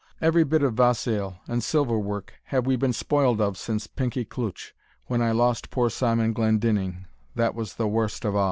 Every bit of vassail and silver work have we been spoiled of since Pinkie Cleuch, when I lost poor Simon Glendinning, that was the warst of a'."